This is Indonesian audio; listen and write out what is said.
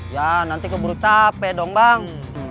ya nanti kamu baru capek dong bang